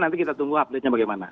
nanti kita tunggu update nya bagaimana